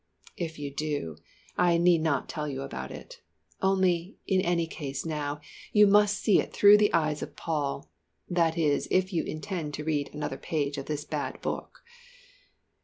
If you do, I need not tell you about it. Only in any case now, you must see it through the eyes of Paul. That is if you intend to read another page of this bad book.